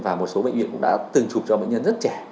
và một số bệnh viện cũng đã từng chụp cho bệnh nhân rất trẻ